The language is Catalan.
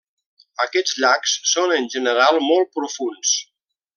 Aquests llacs són en general molt profunds.